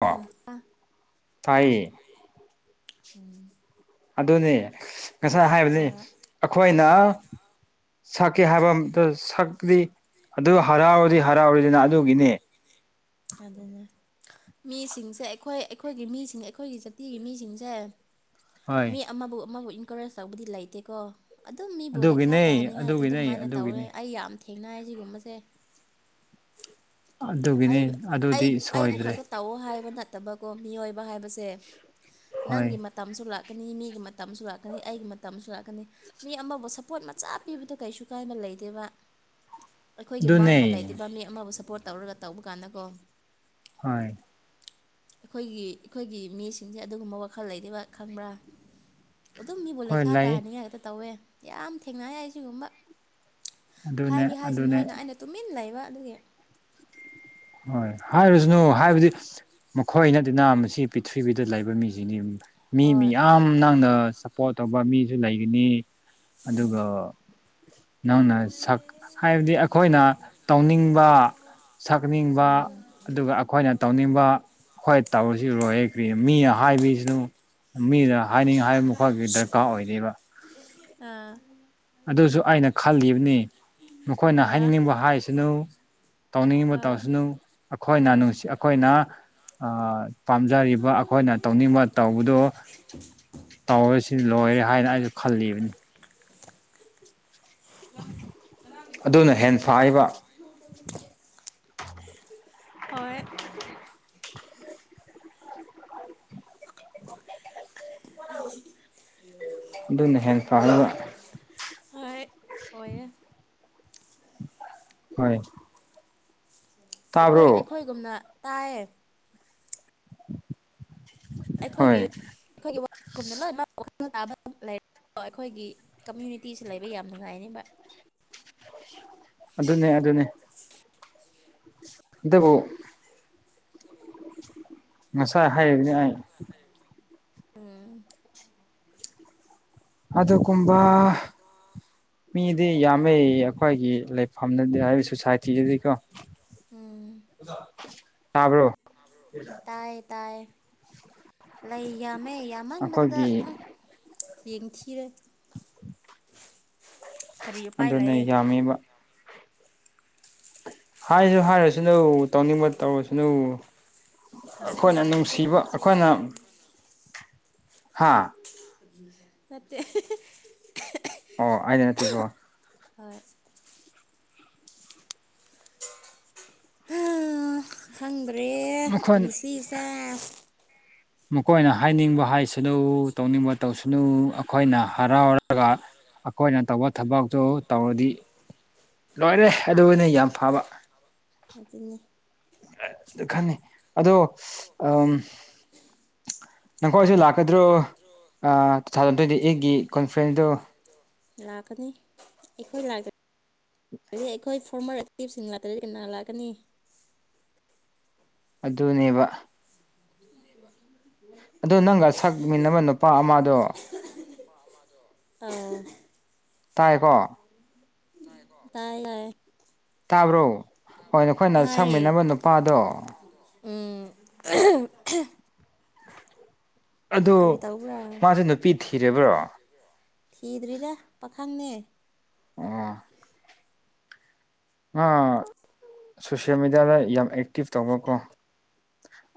ꯑꯣ ꯎꯝ ꯇꯥꯏꯌꯦ ꯎꯝ ꯑꯗꯨꯅꯤ ꯉꯁꯥꯏ ꯍꯥꯏꯕꯅꯤ ꯍꯣꯏ ꯑꯩꯈꯣꯏꯅ ꯁꯛꯀꯦ ꯍꯥꯏꯕ ꯁꯛꯇꯗꯤ ꯑꯗꯨ ꯍꯔꯥꯎꯔꯗꯤ ꯍꯔꯥꯎꯔꯤꯗꯅ ꯑꯗꯨꯒꯤꯅꯦ ꯑꯗꯨꯅ ꯃꯤꯁꯤꯡꯁꯦ ꯑꯩꯈꯣꯏ ꯑꯩꯈꯣꯏꯒꯤ ꯃꯤꯁꯤꯡ ꯑꯩꯈꯣꯏꯒꯤ ꯖꯥꯇꯤꯒꯤ ꯃꯤꯁꯤꯡꯁꯦ ꯍꯣꯏ ꯃꯤ ꯑꯃꯕꯨ ꯑꯃꯕꯨ ꯏꯟꯀꯔꯦꯖ ꯇꯧꯕꯗꯤ ꯂꯩꯇꯦꯀꯣ ꯑꯗꯨꯝ ꯃꯤꯕꯨ ꯂꯩꯈꯥ ꯑꯗꯨꯒꯤꯅꯦ ꯇꯥꯍꯟꯅꯤꯡꯉꯥꯏ ꯑꯗꯨꯒꯤꯅꯦ ꯑꯗꯨꯃꯥꯏꯅ ꯇꯧꯔꯦ ꯑꯗꯨꯒꯤꯅꯦ ꯑꯩ ꯌꯥꯝ ꯊꯦꯡꯅ ꯁꯤꯒꯨꯝꯕꯁꯦ ꯑꯗꯨꯒꯤꯅꯤ ꯑꯩ ꯑꯗꯨꯗꯤ ꯑꯩꯕꯨ ꯁꯣꯏꯗ꯭ꯔꯦ ꯈꯛꯇ ꯇꯧꯑꯣ ꯍꯥꯏꯕ ꯅꯠꯇꯕꯀꯣ ꯃꯤꯑꯣꯏꯕ ꯍꯥꯏꯕꯁꯦ ꯍꯣꯏ ꯅꯪꯒꯤ ꯃꯇꯝꯁꯨ ꯂꯥꯛꯀꯅꯤ ꯃꯤꯒꯤ ꯃꯇꯝꯁꯨ ꯂꯥꯛꯀꯅꯤ ꯑꯩꯒꯤ ꯃꯇꯝꯁꯨ ꯂꯥꯛꯀꯅꯤ ꯃꯤ ꯑꯃꯕꯨ ꯁꯞꯄꯣꯔꯠ ꯃꯆꯥ ꯄꯤꯕꯗ ꯀꯩꯁꯨ ꯀꯥꯏꯕ ꯂꯩꯗꯦꯕ [inaudible] ꯑꯩꯈꯣꯏꯒꯤ ꯃꯥꯡꯕ ꯂꯩꯇꯕ ꯃꯤ ꯑꯃꯕꯨ ꯁꯞꯄꯣꯔꯠ ꯇꯧꯔꯒ ꯇꯧꯕ ꯀꯥꯟꯗꯀꯣ ꯍ ꯑꯩꯈꯣꯏꯒꯤ ꯑꯩꯈꯣꯏꯒꯤ ꯃꯤꯁꯤꯡꯁꯦ ꯑꯗꯨꯒꯨꯝꯕ ꯋꯥꯈꯜ ꯂꯩꯕ ꯈꯪꯕ꯭ꯔꯥ ꯑꯗꯨꯝ ꯃꯤꯕꯨ ꯍꯣꯏ ꯂꯩꯈꯥ ꯂꯩ ꯇꯥꯍꯟꯅꯤꯡꯉꯥꯏꯇ ꯇꯧꯋꯦ ꯌꯥꯝ ꯊꯦꯡꯅ ꯌꯥꯏ ꯁꯤꯒꯨꯝꯕ ꯑꯗꯨꯅꯦ ꯍꯥꯏꯒ ꯍꯥꯏꯁꯤꯅꯨ ꯑꯗꯨꯅꯦ ꯍꯥꯏꯅ ꯑꯩꯅ ꯇꯨꯃꯤꯟꯅ ꯂꯩꯕ ꯑꯗꯨꯒꯤ ꯍꯣꯏ ꯍꯥꯏꯔꯁꯅꯨ ꯍꯥꯏꯕꯗꯤ ꯃꯈꯣꯏ ꯅꯠꯇꯦꯅ ꯃꯁꯤ ꯄꯤꯔꯤꯊꯤꯕꯤꯗ ꯂꯩꯕ ꯃꯤꯁꯤꯅꯤ ꯃꯤ ꯍꯣꯏ ꯃꯤꯌꯥꯝ ꯅꯪꯅ ꯄꯣ ꯇꯧꯕ ꯃꯤꯁꯨ ꯂꯩꯒꯅꯤ ꯎꯝ ꯑꯗꯨꯒ ꯅꯪꯅ ꯁꯛ ꯍꯥꯏꯕꯗꯤ ꯑꯩꯈꯣꯏꯅ ꯇꯧꯅꯤꯡꯕ ꯇꯛꯅꯤꯡꯕ ꯎꯝ ꯑꯗꯨꯒ ꯑꯩꯈꯣꯏꯅ ꯇꯧꯅꯤꯡꯕ ꯍꯣꯏ ꯇꯧꯔꯁꯤꯔꯣꯏ ꯍꯦꯛ ꯀ꯭ꯔꯤ ꯃꯤ ꯍꯥꯏꯕꯤꯁꯤꯅ ꯃꯤꯅ ꯍꯥꯏꯅꯤꯡꯉ ꯍꯥꯏꯕ ꯃꯈꯣꯏꯒꯤ ꯗꯔꯀꯥꯔ ꯑꯣꯏꯔꯤꯕ ꯑ ꯑꯗꯨꯁꯨ ꯑꯩꯅ ꯈꯜꯂꯤꯕꯅꯤ ꯃꯈꯣꯏꯅ ꯑꯥ ꯍꯥꯏꯅꯤꯡꯅꯤꯡꯕ ꯍꯥꯏꯁꯤꯅꯨ ꯇꯧꯅꯤꯡꯉꯤꯕ ꯑꯥ ꯃꯇꯁꯤꯅ ꯑꯩꯈꯣꯏꯅ ꯑꯥ ꯅꯨꯡꯁꯤ ꯑꯩꯈꯣꯏꯅ ꯄꯥꯝꯖꯔꯤꯕ ꯑꯩꯈꯣꯏꯅ ꯇꯧꯅꯤꯡꯕ ꯇꯧꯕꯗꯨꯣ ꯇꯧꯔꯁꯤ ꯂꯣꯏꯔꯦ ꯍꯥꯏꯅ ꯑꯩꯁꯨ ꯈꯜꯂꯤꯕꯅꯤ ꯑꯗꯨꯅ ꯍꯦ ꯐꯥꯏꯕ [inaudible] ꯍꯣꯏ ꯑꯗꯨꯅ ꯍꯦꯟꯅ ꯐꯥꯏꯕ [inaudible] ꯑꯣꯏ ꯍꯣꯏ ꯑꯩꯈꯣꯏ ꯇꯥꯕ꯭ꯔꯣ ꯑꯩꯈꯣꯏꯒꯨꯝꯅ ꯇꯥꯏꯌꯦ ꯎꯝ ꯑꯩꯈꯣꯏꯒꯤ ꯑꯩꯈꯣꯏꯒꯤꯗ ꯂꯣꯏ ꯂꯩ ꯑꯩꯈꯣꯏꯒꯤ ꯀꯝꯃ꯭ꯨꯅꯤꯇꯤꯁꯤ ꯂꯩꯕ ꯌꯥꯝ ꯅꯨꯡꯉꯥꯏꯅꯦꯕ ꯑꯗꯨꯅꯦ ꯑꯗꯨꯅꯦ ꯑꯗꯨꯕꯨ ꯑꯗꯨꯕꯨ ꯉꯁꯥꯏ ꯍꯥꯏꯑꯦꯕꯅꯤ ꯍꯥꯏꯅ [unintelligible] ꯎꯝ ꯑꯗꯨꯒꯨꯝꯕ ꯃꯤꯗꯤ ꯌꯥꯝꯃꯦ ꯑꯩꯈꯣꯏꯒꯤ ꯂꯩꯐꯝꯗꯗꯤ ꯍꯥꯏꯗꯤ ꯁꯣꯁꯥꯏꯇꯤꯗꯗꯤꯀꯣ ꯎꯝ ꯇꯥꯕ꯭ꯔꯣ ꯇꯥꯏꯌꯦ ꯇꯥꯏꯌꯦ ꯂꯩ ꯌꯥꯝꯃꯦ ꯌꯥꯝꯃꯟꯕꯗꯨꯗ ꯑꯩꯈꯣꯏꯒꯤ ꯑꯨꯝ ꯌꯦꯡꯊꯤꯔꯦ ꯀꯔꯤ ꯎꯄꯥꯏ ꯑꯗꯨꯅ ꯂꯩꯌꯦ ꯌꯥꯝꯃꯤꯕ ꯍꯥꯏꯖꯨ ꯍꯥꯏꯔꯁꯅꯨ ꯇꯧꯅꯤꯡꯕ ꯇꯧꯔꯁꯅꯨ ꯑꯈꯣꯏꯅ ꯍꯣꯏ ꯀꯣ ꯅꯨꯡꯁꯤꯕ ꯅꯪ ꯆꯩ ꯑꯈꯣꯏꯅ ꯆꯥꯔꯅꯤ ꯍꯥꯥ ꯍꯥ ꯅꯠꯇꯦ ꯑꯣ ꯑꯩꯅ ꯅꯠꯇꯦꯀꯣ ꯍꯣꯏ ꯍꯥ ꯈꯪꯗ꯭ꯔꯦ ꯃꯈꯣꯏ ꯄꯨꯟꯁꯤꯁꯦ ꯃꯈꯣꯏꯅ ꯍꯥꯏꯅꯤꯡꯕ ꯍꯥꯏꯁꯅꯨ ꯇꯧꯅꯤꯡꯕ ꯇꯧꯁꯅꯨ ꯑꯈꯣꯏꯅ ꯍꯔꯥꯎꯔꯒ ꯑꯈꯣꯏꯅ ꯇꯧꯕ ꯊꯕꯛꯇꯨ ꯇꯧꯔꯗꯤ ꯂꯣꯏꯔꯦ ꯑꯗꯨꯅꯦ ꯌꯥꯝ ꯐꯕ ꯑꯗꯨꯅꯤ [unintelligible] ꯅꯪꯈꯣꯏꯖꯨ ꯂꯥꯛꯀꯗ꯭ꯔꯣ ꯑ ꯇꯨ ꯊꯥꯎꯖꯟ ꯇꯣꯏꯟꯇꯤ ꯑꯦꯠꯀꯤ ꯀꯣꯟꯐ꯭ꯔꯦꯟꯁꯇꯣ ꯂꯥꯛꯀꯅꯤ ꯑꯩꯈꯣꯏ ꯂꯥꯛꯀꯅꯤ ꯑꯩꯈꯣꯏ ꯐꯣꯔꯃꯔ ꯇꯤꯞꯁꯤꯡ ꯂꯥꯛꯇꯔꯗꯤ ꯀꯅꯥ ꯂꯥꯛꯀꯅꯤ ꯑꯗꯨꯅꯦꯕ [unintelligible] ꯑꯗꯣ ꯅꯪꯒ ꯁꯛꯃꯤꯟꯅꯕ ꯅꯨꯄꯥ ꯑꯃꯗꯣ [unintelligible] ꯇꯥꯏꯌꯦꯀꯣ ꯀꯣ ꯇꯥꯏ ꯇꯥꯏ ꯇꯥꯕ꯭ꯔꯣ ꯍꯣꯏ ꯅꯈꯣꯏꯅ ꯇꯥꯏꯌꯦ ꯁꯛꯃꯤꯟꯅꯕ ꯅꯨꯄꯥꯗꯣ [unintelligible] [unintelligible] ꯑꯗꯣ ꯀꯔꯤ ꯇꯧꯕ꯭ꯔꯥ ꯃꯥꯖꯦ ꯅꯨꯄꯤ ꯊꯤꯔꯕ꯭ꯔꯣ ꯊꯤꯗ꯭ꯔꯤꯗ ꯄꯥꯈꯪꯅꯦ ꯑꯣ ꯑ ꯁꯣꯁꯤꯌꯦꯜ ꯃꯦꯗꯤꯌꯥꯗ ꯌꯥꯝ ꯑꯦꯛꯇꯤꯞ ꯇꯧꯕꯀꯣ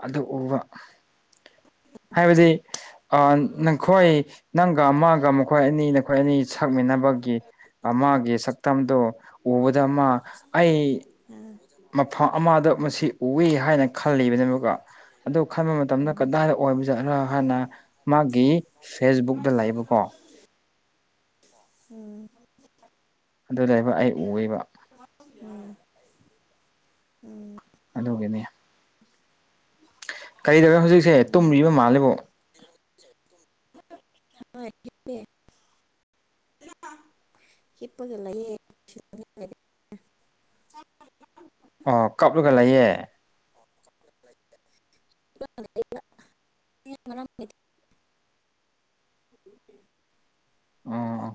ꯑꯗꯨ ꯎꯕ ꯍꯥꯏꯕꯗꯤ ꯑ ꯅꯪꯈꯣꯏ ꯅꯪꯒ ꯑꯃꯒ ꯃꯈꯣꯏ ꯑꯅꯤ ꯅꯈꯣꯏ ꯑꯅꯤ ꯁꯛꯃꯤꯟꯅꯕꯒꯤ ꯑꯃꯒꯤ ꯁꯛꯇꯝꯗꯣ ꯑꯨꯕꯗ ꯃꯥ ꯑꯩ [unintelligible] ꯃꯐꯝ ꯑꯃꯗ ꯃꯁꯤ ꯎꯏ ꯍꯥꯏꯅ ꯈꯜꯂꯤꯕꯅꯦ ꯑꯃꯨꯛꯀ ꯑꯗꯨ ꯈꯟꯕ ꯃꯠ ꯃꯇꯝꯗ ꯎꯝ ꯀꯗꯥꯏꯗ ꯑꯣꯏꯕꯖꯥꯔ ꯍꯥꯏꯅ ꯃꯥꯒꯤ ꯐꯦꯁꯕꯨꯛꯇ ꯂꯩꯕꯀꯣ ꯎꯝ ꯑꯗꯨ ꯂꯩꯕ ꯑꯩ ꯎꯌꯦꯕ ꯎꯝ ꯎꯝ ꯑꯗꯨꯒꯤꯅꯦ ꯀꯩꯗꯧꯒꯦ ꯍꯧꯖꯤꯛꯁꯦ ꯎꯝ ꯇꯨꯝꯔꯤꯕ ꯃꯥꯜꯂꯦꯕꯨ [unintelligible] [unintelligible] ꯑꯣ ꯀꯞꯂꯒ ꯂꯩꯌꯦ [unintelligible] ꯑꯣ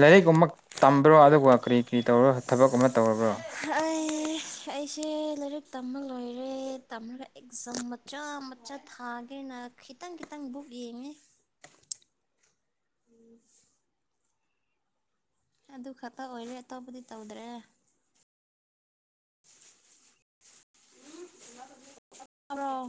ꯂꯥꯏꯔꯤꯛꯀꯨꯝꯕ ꯇꯝꯕ꯭ꯔꯣ ꯑꯗꯨꯒ ꯀꯔꯤ ꯀꯔꯤ ꯇꯧꯔꯣ ꯊꯕꯛ ꯑꯃ ꯇꯧꯔꯕ꯭ꯔꯣ [unintelligible] ꯑꯩꯁꯦ ꯂꯥꯏꯔꯤꯛ ꯇꯝꯕ ꯂꯣꯏꯔꯦ ꯇꯝꯂ ꯑꯦꯛꯖꯥꯝ ꯃꯆꯥ ꯃꯆꯥ ꯊꯥꯒꯦꯅ ꯈꯤꯇꯪ ꯈꯤꯇꯪ ꯕꯨꯛ ꯌꯦꯡꯉꯦ ꯎꯝ ꯑꯗꯨ ꯈꯛꯇ ꯑꯣꯏꯔꯦ ꯑꯇꯣꯞꯄꯗꯤ ꯇꯧꯗ꯭ꯔꯦ ꯃꯔꯣ